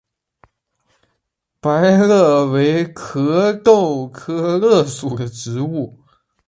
白栎为壳斗科栎属的植物。